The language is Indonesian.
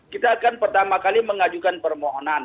kita akan pertama kali mengajukan permohonan